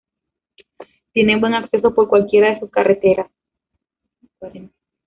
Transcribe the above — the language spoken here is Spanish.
Tiene buen acceso por cualquiera de sus carreteras.